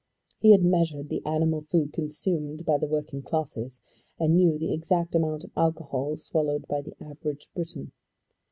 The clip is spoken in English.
He had measured the animal food consumed by the working classes, and knew the exact amount of alcohol swallowed by the average Briton.